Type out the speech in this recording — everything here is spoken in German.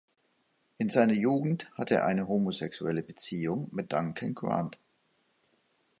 In seiner Jugend hatte er eine homosexuelle Beziehung mit Duncan Grant.